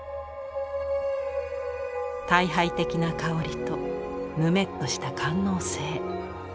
退廃的な香りとぬめっとした官能性。